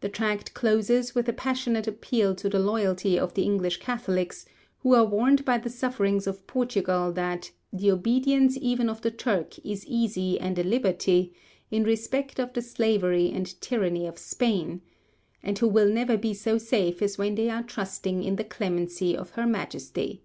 The tract closes with a passionate appeal to the loyalty of the English Catholics, who are warned by the sufferings of Portugal that 'the obedience even of the Turk is easy and a liberty, in respect of the slavery and tyranny of Spain,' and who will never be so safe as when they are trusting in the clemency of her Majesty.